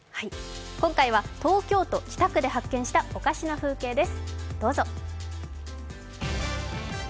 今回は東京都北区で発見した、おかしな風景です。